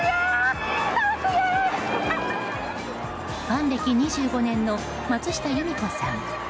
ファン歴２５年の松下由美子さん。